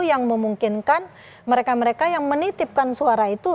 yang memungkinkan mereka mereka yang menitipkan suara itu